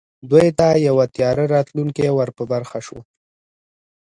دوی ته یو تیاره راتلونکی ور په برخه شو